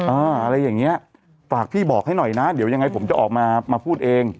อะไรอย่างเงี้ยฝากพี่บอกให้หน่อยนะเดี๋ยวยังไงผมจะออกมามาพูดเอง